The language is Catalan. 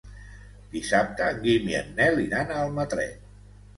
Dissabte en Guim i en Nel iran a Almatret.